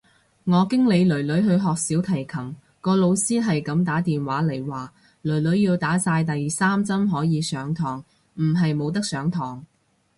我經理囡囡去學小提琴，個老師係咁打電話嚟話，囡囡要打晒第三針可以上堂，唔係冇得上堂。